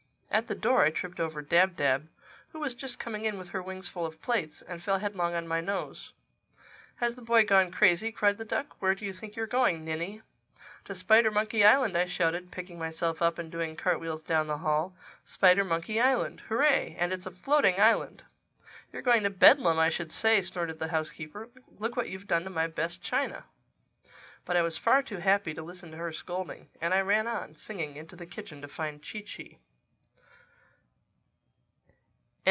At the door I tripped over Dab Dab, who was just coming in with her wings full of plates, and fell headlong on my nose. "Has the boy gone crazy?" cried the duck. "Where do you think you're going, ninny?" "To Spidermonkey Island!" I shouted, picking myself up and doing cart wheels down the hall—"Spidermonkey Island! Hooray!—And it's a floating island!" "You're going to Bedlam, I should say," snorted the housekeeper. "Look what you've done to my best china!" But I was far too happy to listen to her scolding; and I ran on, singing, into the kitchen to find Chee Chee.